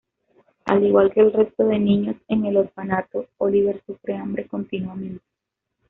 Al igual que el resto de niños en el orfanato, Oliver sufre hambre continuamente.